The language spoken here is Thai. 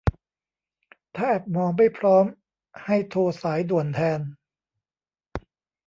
ถ้าแอปหมอไม่พร้อม ให้โทรสายด่วนแทน